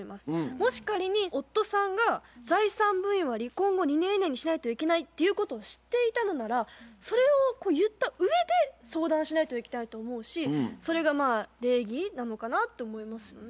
もし仮に夫さんが財産分与は離婚後２年以内にしないといけないっていうことを知っていたのならそれを言ったうえで相談しないといけないと思うしそれがまあ礼儀なのかなって思いますよね。